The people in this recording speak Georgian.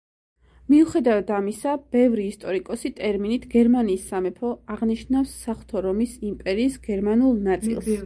მიუხედავად ამისა, ბევრი ისტორიკოსი ტერმინით „გერმანიის სამეფო“ აღნიშნავს საღვთო რომის იმპერიის გერმანულ ნაწილს.